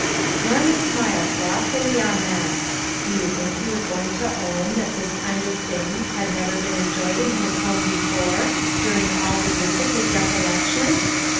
Norman smiled loftily on them. Do you think he was going to own that " this kind of thing " had never been enjoyed in his home be fore, during all the years of his recollection?